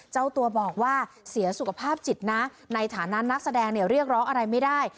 เจ้าตัวบอกว่าเสียสุขภาพจิตนะในฐานะนักแสดงเนี่ยเรียกร้องอะไรไม่ได้